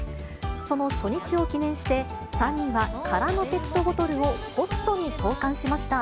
その初日を記念して、３人は空のペットボトルをポストに投かんしました。